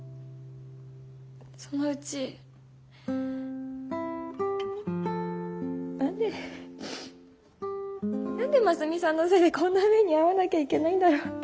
そのうち何で何でますみさんのせいでこんな目に遭わなきゃいけないんだろうって。